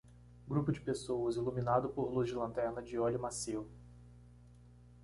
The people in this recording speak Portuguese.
Grupo de pessoas, iluminado por luz de lanterna de óleo macio.